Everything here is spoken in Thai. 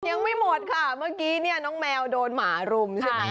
ยังไม่หมดค่ะเมื่อกี้เนี่ยน้องแมวโดนหมารุมใช่ไหม